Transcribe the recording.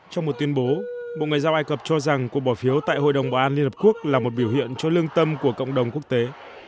trong một tuyên bố bộ ngoại giao ai cập cho rằng cuộc bỏ phiếu tại hội đồng bảo an liên hợp quốc là một biểu hiện cho lương tâm của cộng đồng quốc tế